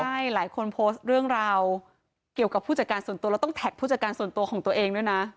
ใช่หลายคนโพสต์เรื่องราวเกี่ยวกับผู้จัดการส่วนตัวแล้วต้องแท็กผู้จัดการส่วนตัวของตัวเองด้วยนะ